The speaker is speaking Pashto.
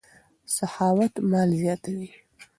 سخاوت مال زیاتوي.